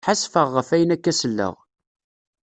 Sḥassfeɣ ɣef ayen akka selleɣ.